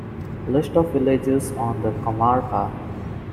List of villages on the comarca.